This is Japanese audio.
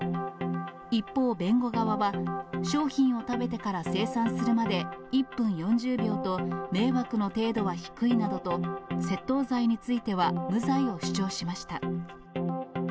一方、弁護側は、商品を食べてから精算するまで、１分４０秒と迷惑の程度は低いなどと、窃盗罪については無罪を主張しました。